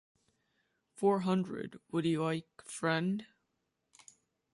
Four hundred, would you like, friend?